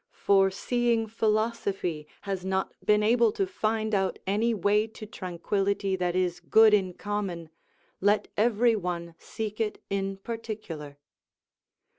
For seeing philosophy has not been able to find out any way to tranquillity that is good in common, let every one seek it in particular.